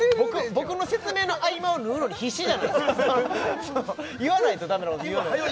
僕の説明の合間を縫うのに必死じゃないですか言わないとダメなのにはよ